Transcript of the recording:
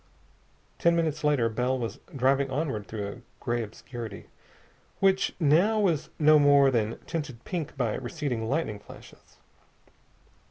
Ten minutes later Bell was driving onward through a gray obscurity, which now was no more than tinted pink by receding lightning flashes.